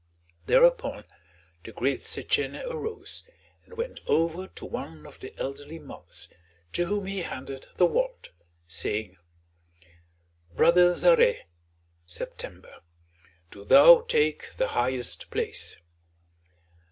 Thereupon the great Setchène arose and went over to one of the elderly months, to whom he handed the wand, saying: "Brother Zarè (September), do thou take the highest place."